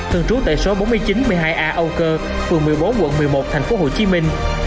thường trú tại số bốn nghìn chín trăm một mươi hai a âu cơ phường một mươi bốn quận một mươi một thành phố hồ chí minh